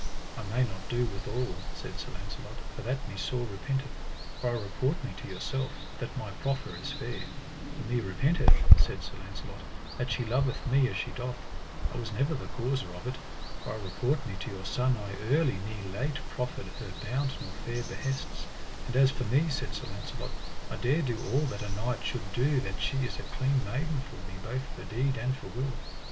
I may not do withal, said Sir Launcelot, for that me sore repenteth, for I report me to yourself, that my proffer is fair; and me repenteth, said Sir Launcelot, that she loveth me as she doth; I was never the causer of it, for I report me to your son I early ne late proffered her bounté nor fair behests; and as for me, said Sir Launcelot, I dare do all that a knight should do that she is a clean maiden for me, both for deed and for will.